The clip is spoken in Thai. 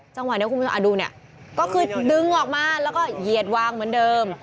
จังหวะนี้คุณผู้ชมดูเนี่ยก็คือดึงออกมาแล้วก็เหยียดวางเหมือนเดิม